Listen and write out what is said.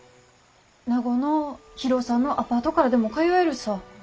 名護の博夫さんのアパートからでも通えるさ。